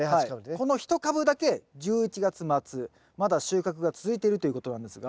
この１株だけ１１月末まだ収穫が続いてるということなんですが。